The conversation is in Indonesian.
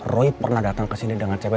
roy pernah datang kesini dengan cewek